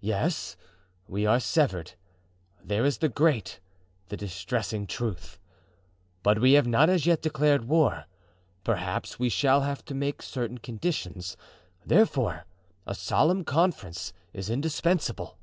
Yes, we are severed; there is the great, the distressing truth! But we have not as yet declared war; perhaps we shall have to make certain conditions, therefore a solemn conference is indispensable."